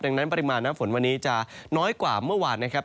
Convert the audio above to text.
ดังนั้นปริมาณน้ำฝนวันนี้จะน้อยกว่าเมื่อวานนะครับ